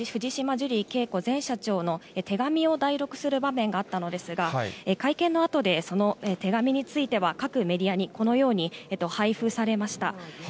ジュリー景子前社長の手紙を代読する場面があったのですが、会見のあとでその手紙については、各メディアに、このように配布されました。